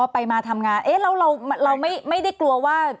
อ๋อไปมาทำงานเราไม่ได้กลัวว่า